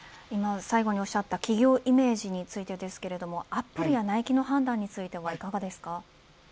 最後におっしゃった企業イメージについてですがアップルやナイキの判断についてはいかがですか。